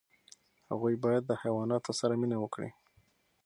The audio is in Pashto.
هغوی باید د حیواناتو سره مینه وکړي.